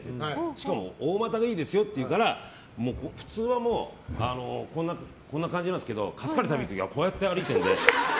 しかも、大股がいいですよっていうから普通はこんな感じなんですけどカツカレー食べに行く時はこうやって歩いているんで。